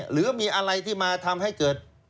หรือมีอะไรที่มาทำให้เกิด